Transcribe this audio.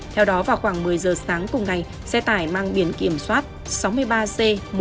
theo đó vào khoảng một mươi giờ sáng cùng ngày xe tải mang biển kiểm soát sáu mươi ba c một mươi một nghìn hai trăm sáu mươi hai